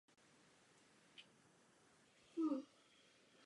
Alternativní název je "galské chaty".